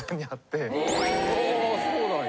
あそうなんや。